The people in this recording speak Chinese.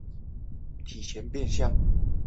如意草为堇菜科堇菜属的植物。